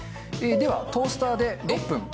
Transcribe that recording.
ではトースターで６分。